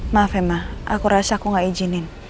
maaf emma aku rasa aku gak izinin